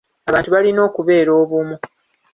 Abantu balina okubeera obumu.